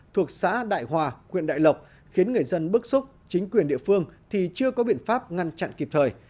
thuộc xã đại hòa huyện đại lộc khiến người dân bức xúc chính quyền địa phương thì chưa có biện pháp ngăn chặn kịp thời